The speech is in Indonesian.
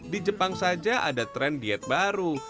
di jepang saja ada tren diet baru